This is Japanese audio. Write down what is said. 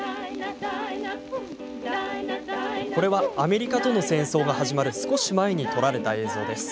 これはアメリカとの戦争が始まる少し前に撮られた映像です。